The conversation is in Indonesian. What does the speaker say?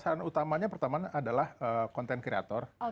saran utamanya pertama adalah content creator